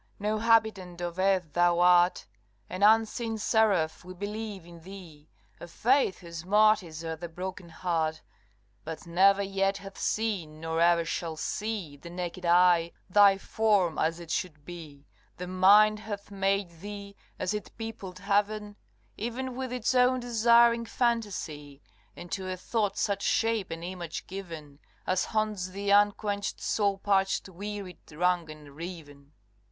no habitant of earth thou art An unseen seraph, we believe in thee, A faith whose martyrs are the broken heart, But never yet hath seen, nor e'er shall see, The naked eye, thy form, as it should be; The mind hath made thee, as it peopled heaven, Even with its own desiring phantasy, And to a thought such shape and image given, As haunts the unquenched soul parched wearied wrung and riven.